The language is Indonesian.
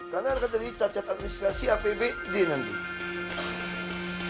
karena akan terjadi cacat administrasi apbd nanti